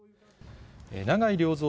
永井良三